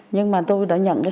nhưng mà tôi đã nhận được